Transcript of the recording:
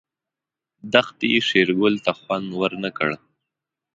دښتې شېرګل ته خوند ورنه کړ.